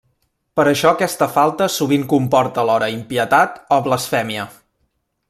Per això aquesta falta sovint comporta alhora impietat o blasfèmia.